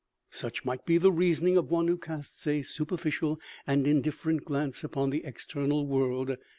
" Such might be the reasoning of one who casts a super ficial and indifferent glance upon the external world.